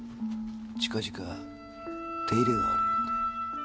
近々手入れがあるんだ。